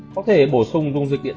có thể bổ sung dung dịch nhiễm